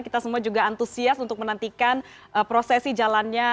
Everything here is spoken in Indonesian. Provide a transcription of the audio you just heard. kita semua juga antusias untuk menantikan prosesi jalannya